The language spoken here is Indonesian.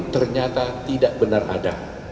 ternyata tidak benar ada